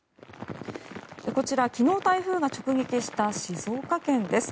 こちら、昨日台風が直撃した静岡県です。